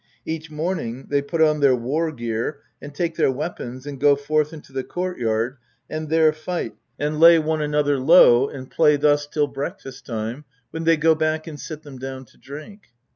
Each morning they put on their war gear and take their weapons, and go forth into the court yard and there fight and lay one xiv THE POETIC EDDA. another low, and play thus till breakfast time, when they go back and sit them down to drink."